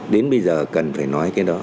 đến bây giờ cần phải nói cái đó